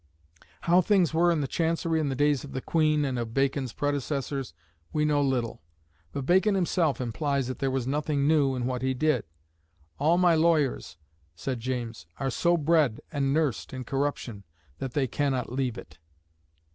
How things were in Chancery in the days of the Queen, and of Bacon's predecessors, we know little; but Bacon himself implies that there was nothing new in what he did. "All my lawyers," said James, "are so bred and nursed in corruption that they cannot leave it."